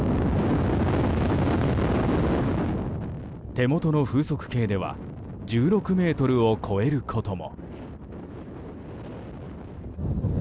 手元の風速計では１６メートルを超えることも。